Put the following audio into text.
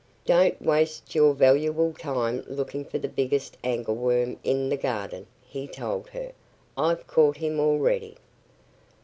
"Don't waste your valuable time looking for the biggest angleworm in the garden!" he told her. "I've caught him already."